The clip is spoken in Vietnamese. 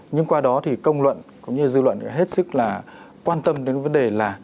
nhưng qua đó công luận cũng như dư luận hết sức quan tâm đến vấn đề là